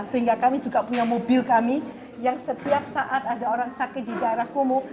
sehingga kami juga punya mobil kami yang setiap saat ada orang sakit di daerah kumuh